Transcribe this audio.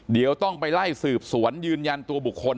เดี๋ยวต้องไปไล่สืบสวนยืนยันตัวบุคคล